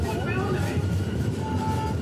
Fue militante del Partido Radical.